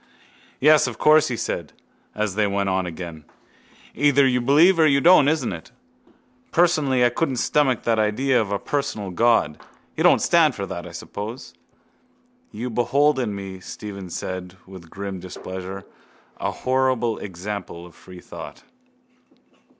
—Yes, of course, he said, as they went on again. Either you believe or you don't, isn't it? Personally I couldn't stomach that idea of a personal God. You don't stand for that, I suppose? —You behold in me, Stephen said with grim displeasure, a horrible example of free thought.